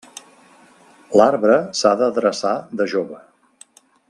L'arbre s'ha d'adreçar de jove.